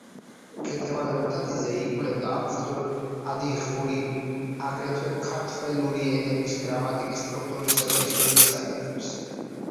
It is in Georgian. ქეთევან ლომთათიძე იკვლევდა აფხაზურ-ადიღური, აგრეთვე ქართველური ენების გრამატიკის სტრუქტურისა და ისტორიის საკითხებს.